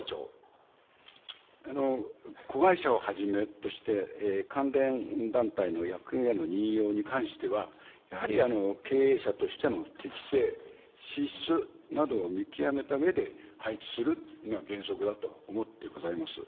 子会社をはじめとして、関連団体の役員への任用に関しては、やはり経営者としての適性、資質などを見極めたうえで配置するというのが原則だと思ってございます。